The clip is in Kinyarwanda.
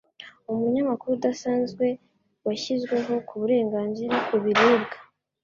Umunyamakuru udasanzwe washyizweho ku burenganzira ku biribwa,